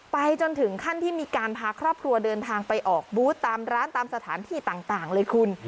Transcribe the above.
จนถึงขั้นที่มีการพาครอบครัวเดินทางไปออกบูธตามร้านตามสถานที่ต่างเลยคุณ